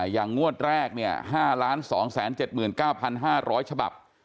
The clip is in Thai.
อย่างงวดแรก๕๒๗๙๕๐๐ฉบับ